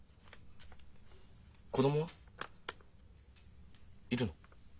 子供は？いるの？